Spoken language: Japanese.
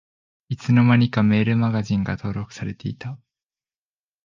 いつの間にかメールマガジンが登録されてた